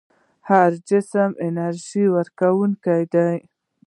هر جسم د انرژۍ وړونکی دی.